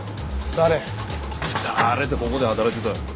誰ってここで働いてたやろ。